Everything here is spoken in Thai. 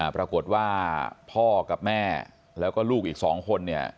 ปรากฏว่าพ่อกับแม่แล้วก็ลูกอีกสองคน